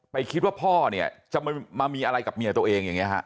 คิดว่าพ่อเนี่ยจะมามีอะไรกับเมียตัวเองอย่างนี้ฮะ